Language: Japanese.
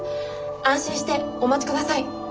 安心してお待ち下さい。